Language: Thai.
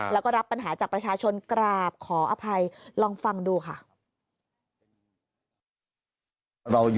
แล้วก็รับปัญหาจากประชาชนกราบขออภัยลองฟังดูค่ะ